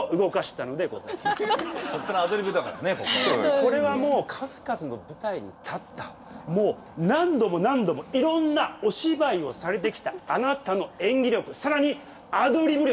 これはもう数々の舞台に立ったもう何度も何度もいろんなお芝居をされてきたあなたの演技力さらにアドリブ力！